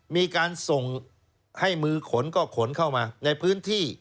มีการส่งให้มือขนก็ขนเข้ามาในพื้นที่